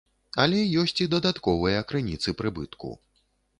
Але ёсць і дадатковыя крыніцы прыбытку.